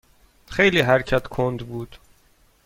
خیلی حرکت کند بود.